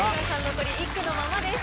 残り１句のままです。